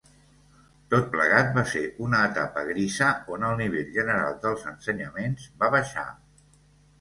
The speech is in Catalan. Tot plegat, va ser una etapa grisa on el nivell general dels ensenyaments va baixar.